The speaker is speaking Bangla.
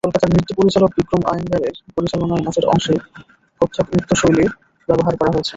কলকাতার নৃত্যপরিচালক বিক্রম আয়েঙ্গারের পরিচালনায় নাচের অংশে কত্থক নৃত্যশৈলী ব্যবহার করা হয়েছে।